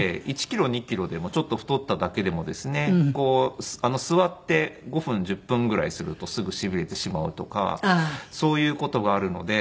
１キロ２キロでもちょっと太っただけでもですね座って５分１０分ぐらいするとすぐ痺れてしまうとかそういう事があるので。